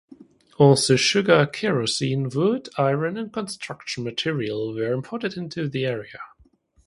Also sugar, kerosene, wood, iron and construction material were imported into the area.